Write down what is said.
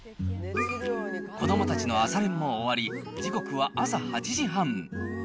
子どもたちの朝練も終わり、時刻は朝８時半。